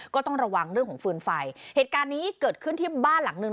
ก็ต้องระวังเรื่องของฟืนไฟเหตุการณ์นี้เกิดขึ้นที่บ้านหลังนึง